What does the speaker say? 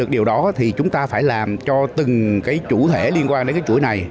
điều đó thì chúng ta phải làm cho từng cái chủ thể liên quan đến cái chuỗi này